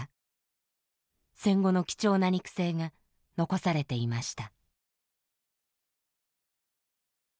戦後の貴重な肉声が残されていました。